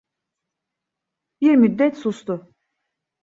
Bir müddet sustu.